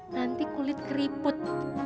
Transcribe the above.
nanti kulit keriput